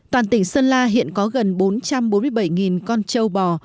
toàn tỉnh sơn la hiện có gần bốn trăm bốn mươi bảy con châu bò